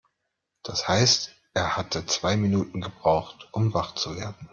Das heißt, er hatte zwei Minuten gebraucht, um wach zu werden.